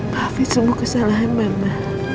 maafin semua kesalahan mama